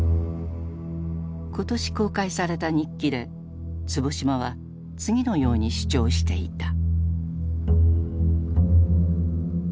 今年公開された日記で坪島は次のように主張していた。